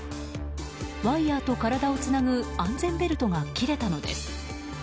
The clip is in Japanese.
ワイヤと体をつなぐ安全ベルトが切れたのです。